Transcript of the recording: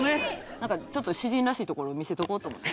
なんかちょっと詩人らしいところ見せとこうと思って。